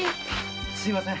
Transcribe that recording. すみません